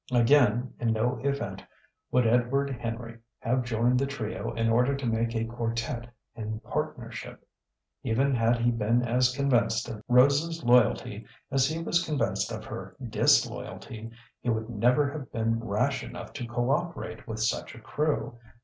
Again, in no event would Edward Henry have joined the trio in order to make a quartette in partnership. Even had he been as convinced of Rose's loyalty as he was convinced of her disloyalty, he would never have been rash enough to co operate with such a crew.